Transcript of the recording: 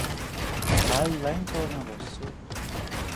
हाल लैनचौरमा बस्छु।